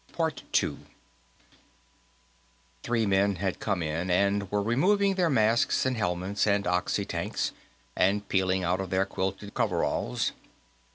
Three men had come in, and were removing their masks and helmets and oxy tanks, and peeling out of their quilted coveralls.